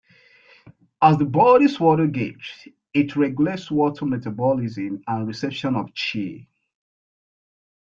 As the body's water gate, it regulates water metabolism and reception of qi.